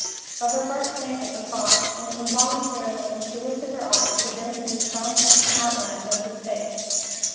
But her heart sank at the thought, and involuntarily she lifted her eyes to drink in the strong, handsome outlines of his face.